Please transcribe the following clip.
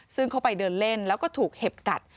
ซึ่งเขาไปเดินเล่นแล้วก็ถูกเห็บกัด